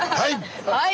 「はい！」。